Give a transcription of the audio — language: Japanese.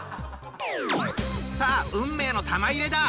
さあ運命の玉入れだ！